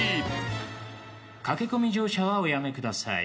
駆け込み乗車はおやめください。